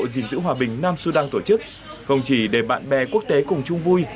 dình dữ hòa bình nam sudan tổ chức không chỉ để bạn bè quốc tế cùng chung vui